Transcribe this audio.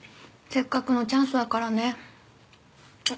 せっかくのチャンスだからね。